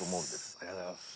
ありがとうございます。